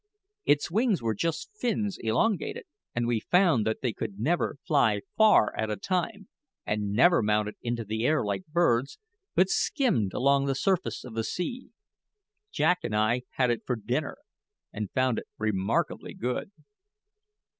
Its wings were just fins elongated; and we found that they could never fly far at a time, and never mounted into the air like birds, but skimmed along the surface of the sea. Jack and I had it for dinner, and found it remarkably good.